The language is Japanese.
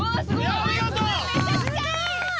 お見事！